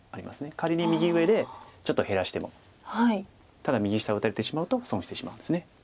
仮に右上でちょっと減らしてもただ右下打たれてしまうと損してしまうんです。